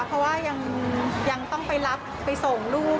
เพราะว่ายังต้องไปรับไปส่งลูก